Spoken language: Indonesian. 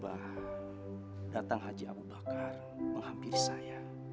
adalah sahabat suami ibu